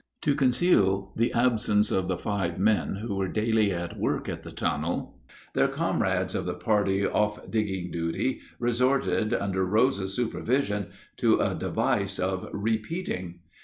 ] To conceal the absence of the five men who were daily at work at the tunnel, their comrades of the party off digging duty resorted, under Rose's supervision, to a device of "repeating."